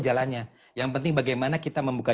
jalannya yang penting bagaimana kita membuka